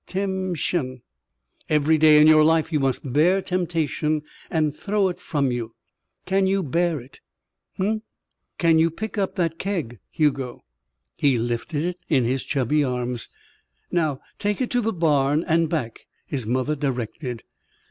"Temshun." "Every day in your life you must bear temptation and throw it from you. Can you bear it?" "Huh?" "Can you pick up that keg, Hugo?" He lifted it in his chubby arms. "Now take it to the barn and back," his mother directed.